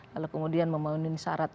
kalau kemudian memenuhi syarat